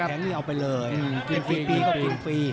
น้ำแข็งนี้เอาไปเลยกินฟรีก็กินฟรี